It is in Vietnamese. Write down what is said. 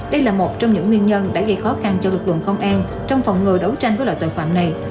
đây là một trong những nguyên nhân đã gây khó khăn cho lực lượng công an trong phòng ngừa đấu tranh với loại tội phạm này